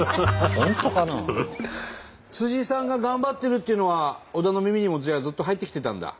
さんが頑張ってるっていうのは小田の耳にもずっと入ってきてたんだ？